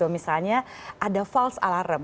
misalnya ada false alarm